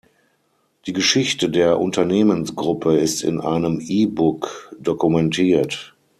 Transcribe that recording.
Die Geschichte der Unternehmensgruppe ist in einem E-Book dokumentiert.